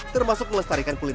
termasuk melestarikan kualitas